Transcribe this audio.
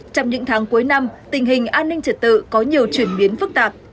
trong những tháng cuối năm tình hình an ninh trật tự có nhiều chuyển biến phức tạp